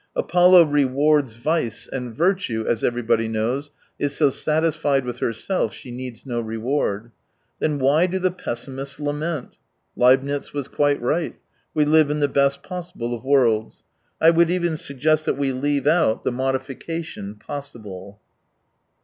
Apollo rewards vice, and virtue, as everybody knows, is so satisfied with herself she needs no reward. Then why do the pessimists lament ? Leibnitz was quite right : we live in the best possible of worlds. I would even suggest that we leave out the modification " possible